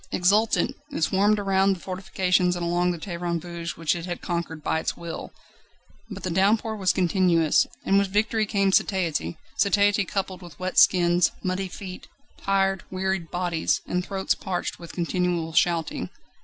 Exultant, it swarmed around the fortifications and along the terrains vagues which it had conquered by its will. But the downpour was continuous, and with victory came satiety satiety coupled with wet skins, muddy feet, tired, wearied bodies, and throats parched with continual shouting.